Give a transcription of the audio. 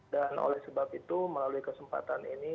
dan oleh sebab itu melalui kesempatan ini